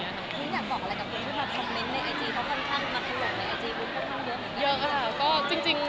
คุณอยากบอกอะไรกับคนที่มาคอมเม้นท์ในไอจีเขาค่อนข้างมาคอมเม้นท์ในไอจีอุ้นก็ค่อนข้างเบื้องเหมือนกัน